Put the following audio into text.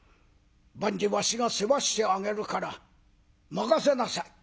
万事わしが世話してあげるから任せなさい」。